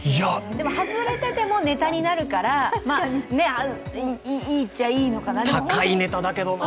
でも外れててもネタになるからいいっちゃいいけどね。